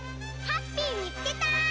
ハッピーみつけた！